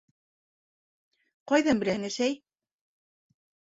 — Ҡайҙан беләһең, әсәй?